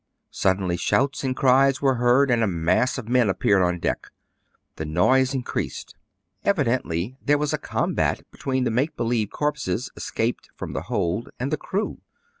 Suddenly shouts and cries were heard, and a mass of men appeared on deck. The noise increased. Evidently there was a combat between the make believe corpses escaped from the hold and the crew.